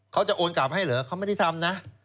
เขาจะโอนกลับให้เหรอเขาไม่ได้ทำนะ